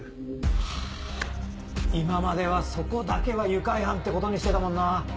ハァ今まではそこだけは愉快犯ってことにしてたもんな。